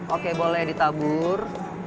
oke boleh ditabur